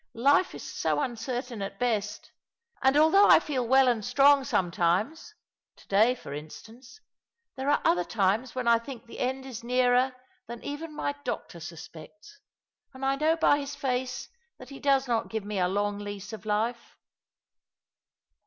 Life is so un certain at best — and, although 1 feel well and strong, some times — to day, for instance — there are other times when 1 think the end is nearer than even my doctor suspects. And I know by his face that he does not give me a ^long lease of life."